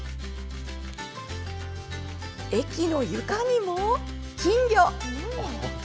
駅の床にも、金魚。